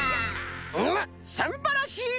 うむすんばらしい！